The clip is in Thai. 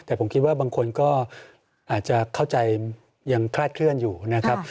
แต่ผมคิดว่าบางคนก็อาจจะเข้าใจยังคลาดเคลื่อนอยู่นะครับ